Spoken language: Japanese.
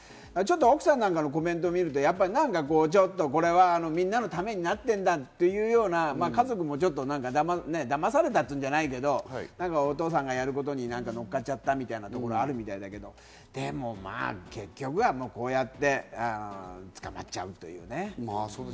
奥さんのコメントを見ると、みんなのためになってるんだっていうような、家族もちょっとだまされたっていうんじゃないけど、お父さんがやることにのっかっちゃったみたいなところあるみたいだけど、結局は捕まっちゃうというね。